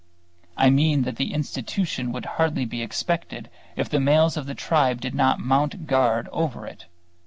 I mean that the institution would hardly be expected if the males of the tribe did not mount guard over it.